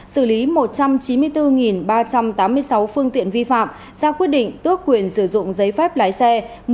xử lý một trăm chín mươi bốn ba trăm tám mươi sáu phương tiện vi phạm ra quyết định tước quyền sử dụng giấy phép lái xe